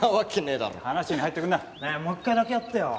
ねえもう一回だけやってよ。